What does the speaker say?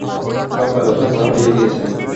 সব ব্যবস্থা করা হয়ে গেছে।